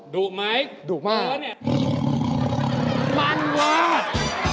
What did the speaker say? ดุไหมดุมากดุมากมันวาด